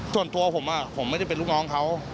ส่วนตัวผมผมไม่ได้เป็นลูกน้องเขา